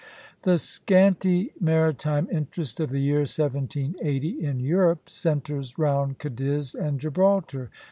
The scanty maritime interest of the year 1780, in Europe, centres round Cadiz and Gibraltar.